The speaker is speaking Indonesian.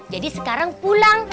jadi sekarang pulang